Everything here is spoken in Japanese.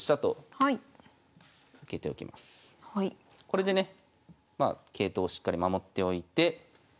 これでね桂頭をしっかり守っておいて。